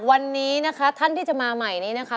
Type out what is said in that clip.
วันนี้นะคะท่านที่จะมาใหม่นี้นะคะ